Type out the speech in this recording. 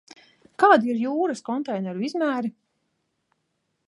Kādi ir jūras konteineru izmēri?